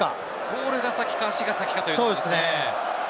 ボールが先か、足が先かというところですね。